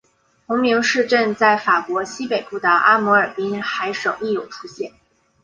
同名市镇在法国西北部的阿摩尔滨海省亦有出现。